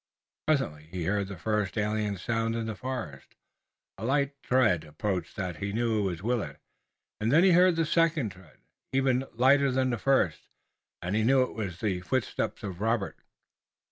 Presently he heard the first alien sound in the forest, a light tread approaching That he knew was Willet, and then he heard the second tread, even lighter than the first, and he knew that it was the footstep of Robert.